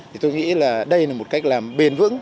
tôi nghĩ đây là một cách làm bền vững